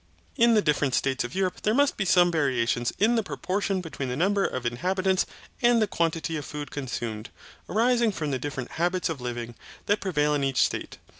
In the different states of Europe there must be some variations in the proportion between the number of inhabitants and the quantity of food consumed, arising from the different habits of living that prevail in each state.